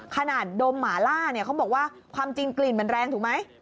ขนาดโดมหมาล่าเขาบอกว่าความจริงกลิ่นมันแรงถูกไหม